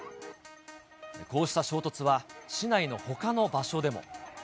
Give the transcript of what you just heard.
こうした衝突は、市内のほかの場所でも。